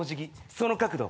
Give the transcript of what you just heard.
その角度